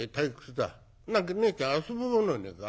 何かねえちゃん遊ぶものねえか？